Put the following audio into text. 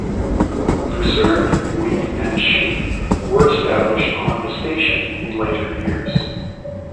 Lucerne, wheat and sheep were established on the station in later years.